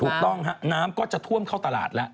ถูกต้องฮะน้ำก็จะท่วมเข้าตลาดแล้ว